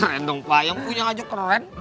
keren dong pak yang punya aja keren